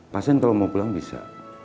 pasien kalau mau pulang bisa